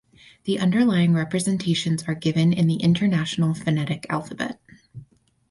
The underlying representations are given in the International Phonetic Alphabet.